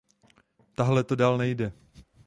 Tahle to dál nejde!